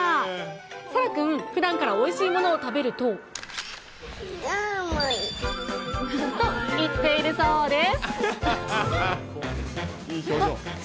サラくん、ふだんからおいしいものを食べると。と言っているそうです。